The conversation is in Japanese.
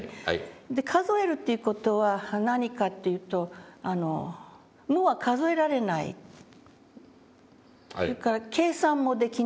数えるっていう事は何かっていうと無は数えられないそれから計算もできない。